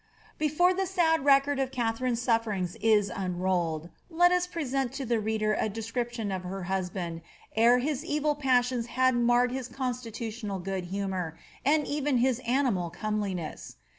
Beforb the nd record of Katharine^s suflerings it unrolled, let as present to the reader a description of her husband, ere his evil passions had marred his constitutional good humour, and even his animal com^ liness.